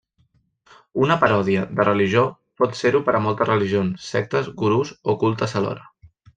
Una paròdia de religió pot ser-ho per a moltes religions, sectes, gurus o cultes alhora.